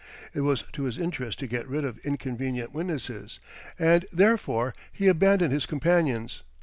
It was to his interest to get rid of inconvenient witnesses, and therefore he abandoned his companions.